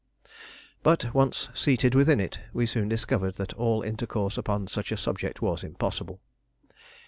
But, once seated within it, we soon discovered that all intercourse upon such a subject was impossible.